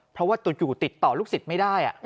เพราะว่าอยู่ติดต่อลูกศิษย์ไม่ได้